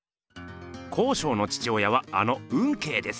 康勝の父親はあの運慶です。